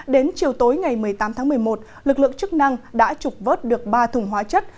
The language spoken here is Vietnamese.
đến chiều tối ngày một mươi tám tháng một mươi một lực lượng chức năng đã trục vớt được ba thùng hóa chất